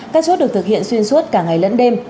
các chốt được thực hiện xuyên suốt cả ngày lẫn đêm